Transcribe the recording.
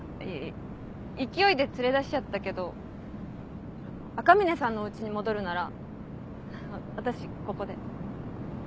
勢いで連れ出しちゃったけど赤嶺さんのおうちに戻るなら私ここで。